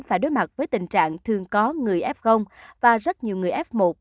phải đối mặt với tình trạng thường có người f và rất nhiều người f một